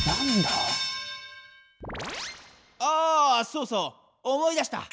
そうそう思い出した。